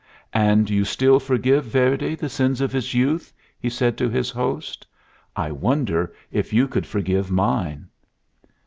"And you still forgive Verdi the sins of his youth?" he said to his host. "I wonder if you could forgive mine?"